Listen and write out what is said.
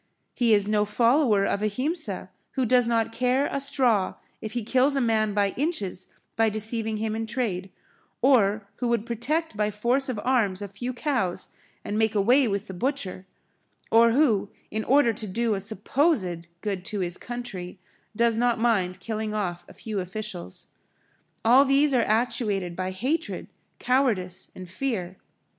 He is no follower of Ahimsa who does not care a straw if he kills a man by inches by deceiving him in trade, or who would protect by force of arms a few cows and make away with the butcher or who, in order to do a supposed good to his country, does not mind killing off a few officials. All these are actuated by hatred, cowardice and fear.